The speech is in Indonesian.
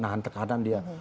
nahan tekanan dia